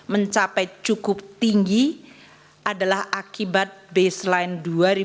mencapai cukup tinggi adalah akibat baseline dua ribu dua puluh